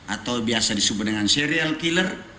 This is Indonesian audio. atau biasa disebut dengan serial killer